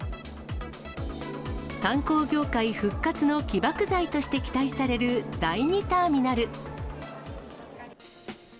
観光業界復活の起爆剤として期待される、第２ターミナル。